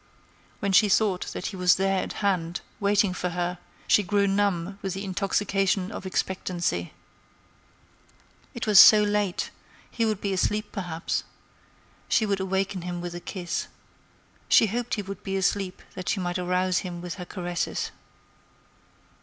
When she thought that he was there at hand, waiting for her, she grew numb with the intoxication of expectancy. It was so late; he would be asleep perhaps. She would awaken him with a kiss. She hoped he would be asleep that she might arouse him with her caresses.